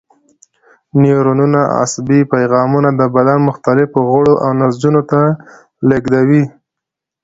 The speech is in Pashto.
نیورونونه عصبي پیغامونه د بدن مختلفو غړو او نسجونو ته لېږدوي.